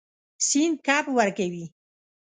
سیند کب ورکوي.